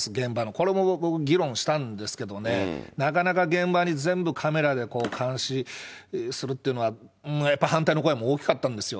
これも僕、議論したんですけどね、なかなか現場に全部カメラで監視するっていうのは、やっぱり反対の声も大きかったんですよ。